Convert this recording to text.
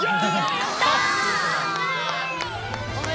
やった！